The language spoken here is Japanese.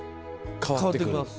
変わってきます。